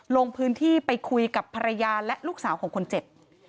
ลงพื้นที่ไปคุยกับภรรยาและลูกสาวของคนเจ็บ